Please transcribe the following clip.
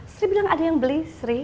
sri bilang ada yang beli sri